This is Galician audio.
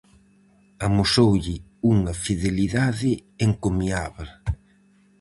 Amosoulle unha fidelidade encomiábel.